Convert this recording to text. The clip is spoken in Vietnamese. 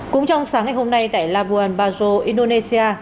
cũng trong sáng ngày hôm nay tại labuan bajo indonesia